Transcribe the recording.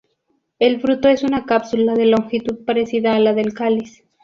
El fruto es una cápsula de longitud parecida a la del cáliz.